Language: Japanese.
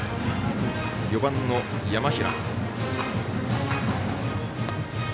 ４番の山平。